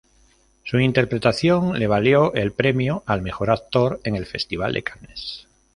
Su interpretación le valió el premio al mejor actor en el Festival de Cannes.